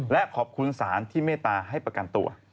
และขอบคุณศาลที่เมตตาให้ประกันตัว